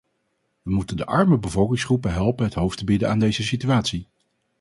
Wij moeten de arme bevolkingsgroepen helpen het hoofd te bieden aan deze situatie.